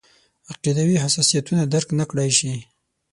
عقیدوي حساسیتونه درک نکړای شي.